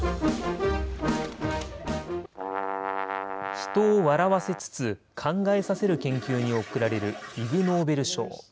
人を笑わせつつ考えさせる研究に贈られるイグ・ノーベル賞。